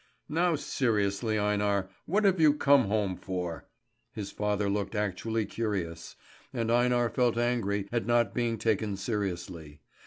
"Now seriously, Einar, what have you come home for?" His father looked actually curious, and Einar felt angry at not being taken seriously.